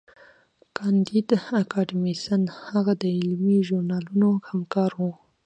کانديد اکاډميسن هغه د علمي ژورنالونو همکار و.